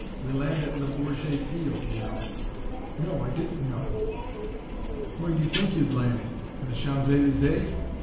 We land at Le Bourget field, you know." "No, I didn't know." "Where'd you think you'd land in the Champs Elysees?"